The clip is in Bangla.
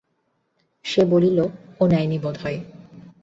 সে বলিল, ও নেয় নি বোধ হয়।